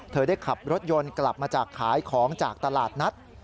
ได้ขับรถยนต์กลับมาจากขายของจากตลาดนัด